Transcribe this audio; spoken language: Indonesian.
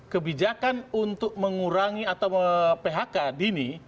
kebijakan untuk mengurangi atau phk dini